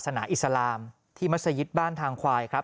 นาอิสลามที่มัศยิตบ้านทางควายครับ